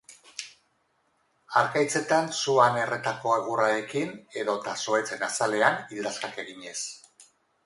Harkaitzetan suan erretako egurrarekin edota zuhaitzen azalean ildaskak eginez.